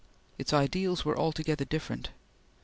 Its ideals were altogether different.